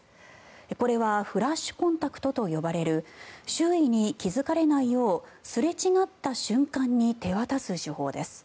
これはフラッシュコンタクトと呼ばれる周囲に気付かれないようすれ違った瞬間に手渡す手法です。